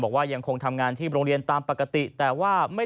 บอกว่ายังคงทำงานที่โรงเรียนตามปกติแต่ว่าไม่